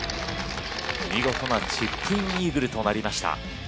見事なチップインイーグルとなりました。